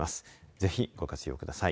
ぜひ、ご活用ください。